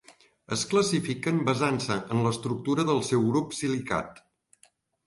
Es classifiquen basant-se en l'estructura del seu grup silicat.